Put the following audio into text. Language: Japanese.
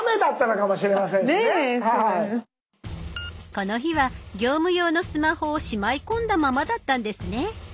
この日は業務用のスマホをしまい込んだままだったんですね。